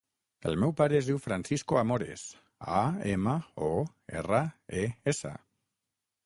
El meu pare es diu Francisco Amores: a, ema, o, erra, e, essa.